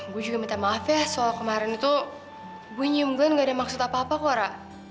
gue juga minta maaf ya soal kemarin itu gue nyium gyum gak ada maksud apa apa kok laura